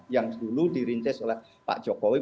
yang dulu dirintis oleh pak jokowi